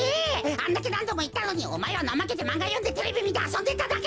あんだけなんどもいったのにおまえはなまけてまんがよんでテレビみてあそんでただけだろ！